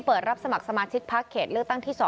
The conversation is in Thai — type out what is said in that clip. เปิดรับสมัครสมาชิกพักเขตเลือกตั้งที่๒